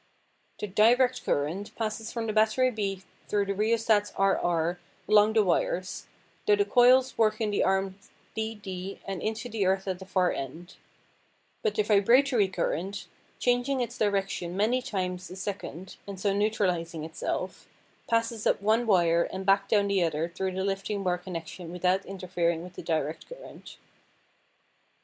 The direct current passes from the battery B through the rheostats RR' along the wires, through the coils working the arms DD' and into the earth at the far end; but the vibratory current, changing its direction many times a second and so neutralising itself, passes up one wire and back down the other through the lifting bar connection without interfering with the direct current.